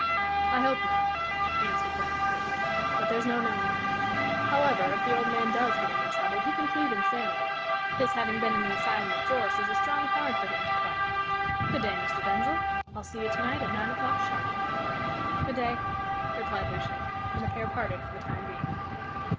"I hope not," answered Link curtly, "but there's no knowing. However, if the old man does get into trouble he can plead insanity. His having been in the asylum of Jorce is a strong card for him to play. Good day, Mr. Denzil. I'll see you to night at nine o'clock sharp." "Good day," replied Lucian, and the pair parted for the time being.